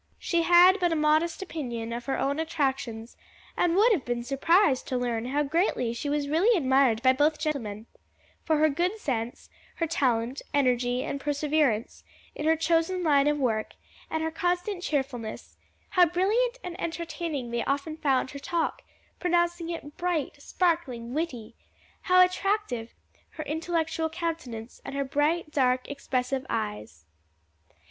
She had but a modest opinion of her own attractions, and would have been surprised to learn how greatly she was really admired by both gentlemen, for her good sense, her talent, energy and perseverance in her chosen line of work, and her constant cheerfulness; how brilliant and entertaining they often found her talk, pronouncing it "bright, sparkling, witty;" how attractive her intellectual countenance, and her bright, dark, expressive eyes.